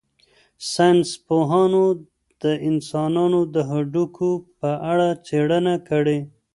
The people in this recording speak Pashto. ساینس پوهانو د انسانانو د هډوکو په اړه څېړنه کړې.